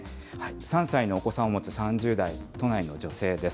３歳のお子さんを持つ３０代、都内の女性です。